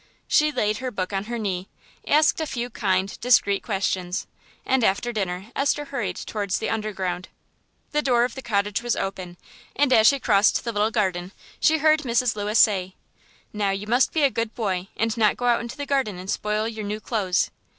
She laid her book on her knee, asked a few kind, discreet questions, and after dinner Esther hurried towards the Underground. The door of the cottage was open, and as she crossed the little garden she heard Mrs. Lewis say "Now you must be a good boy, and not go out in the garden and spoil your new clothes."